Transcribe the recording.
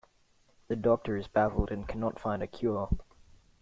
The Doctor is baffled and cannot find a cure.